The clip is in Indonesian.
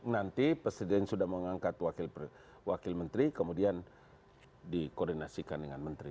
nanti presiden sudah mengangkat wakil menteri kemudian dikoordinasikan dengan menteri